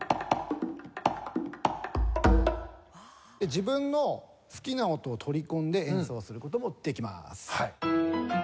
自分の好きな音を取り込んで演奏する事もできます。